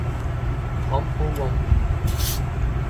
Rampo oamp.